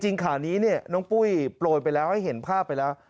ข่าวนี้เนี่ยน้องปุ้ยโปรยไปแล้วให้เห็นภาพไปแล้ว